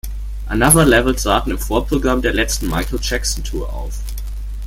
Another Level traten im Vorprogramm der letzten Michael-Jackson-Tour auf.